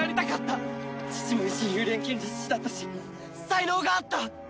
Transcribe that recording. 父も一流錬金術師だったし才能があった！